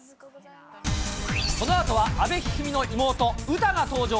このあとは、阿部一二三の妹、詩が登場。